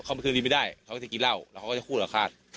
เขาไม่คืนดีไม่ได้เขาก็จะกินเหล้าแล้วเขาก็จะคู่หลักฆาต